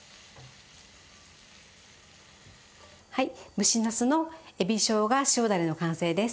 蒸しなすの海老しょうが塩だれの完成です。